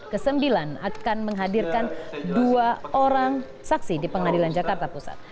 kesembilan akan menghadirkan dua orang saksi di pengadilan jakarta pusat